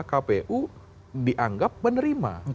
kpu dianggap menerima